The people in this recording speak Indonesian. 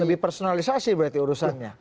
lebih personalisasi berarti urusannya